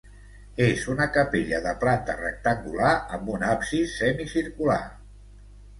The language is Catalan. És una capella de planta rectangular amb un absis semicircular.